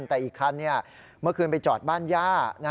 แต่อีกคันเมื่อคืนไปจอดบ้านย่า